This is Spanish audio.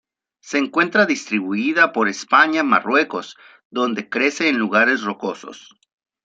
Se encuentra distribuida por España y Marruecos, donde crece en lugares rocosos.